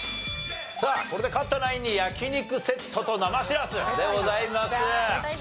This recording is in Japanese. さあこれで勝ったナインに焼肉セットと生しらすでございます。